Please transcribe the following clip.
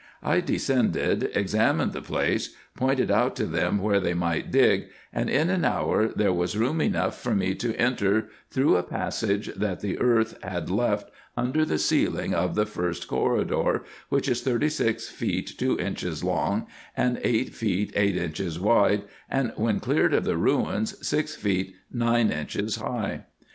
I descended, examined the place, pointed out to them where they might dig, and in an hour there was room enough for 232 RESEARCHES AND OPERATIONS me to enter through a passage that the earth had left under the ceiling of the first corridor, which is thirty six feet two inches long, and eight feet eight inches wide, and, when cleared of the ruins, six feet nine inches high.